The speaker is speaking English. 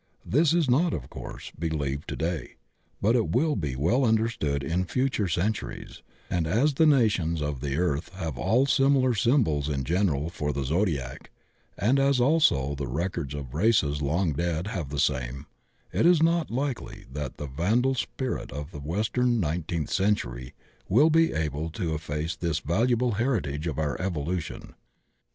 This is not, of course, believed to day, but it will be well understood in future centuries, and as the nations of the earth have all similar symbols in general for the Zodiac, and as also the records of races long dead have the same, it is not likely that the vandal spirit of the Western nineteenth century will be able to ef face this valuable heritage of our evolution.